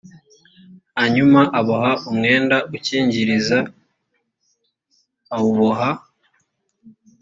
hanyuma aboha umwenda ukingiriza awuboha